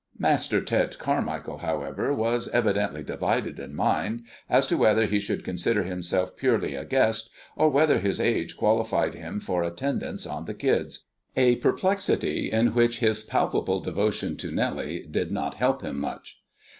Master Ted Carmichael, however, was evidently divided in mind as to whether he should consider himself purely a guest, or whether his age qualified him for attendance on the kids, a perplexity in which his palpable devotion to Nellie did not help him much.